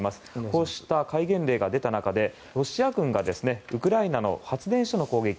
こうした戒厳令が出た中でロシア軍がウクライナの発電所の攻撃。